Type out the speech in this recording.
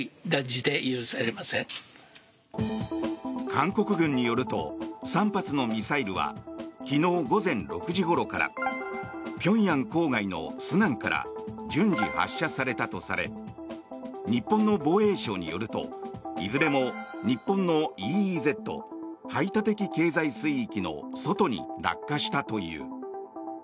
韓国軍によると３発のミサイルは昨日午前６時ごろから平壌郊外の順安から順次発射されたとされ日本の防衛省によるといずれも日本のＥＥＺ・排他的経済水域の外に落下したという。